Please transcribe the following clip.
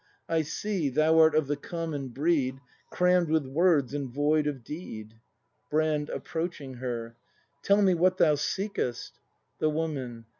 I see, Thou art of the common breed, Cramm'd with words, and void of deed. Brand. [Approaching her.] Tell me what thou seekest. * The Woman.